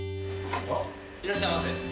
いらっしゃいませ。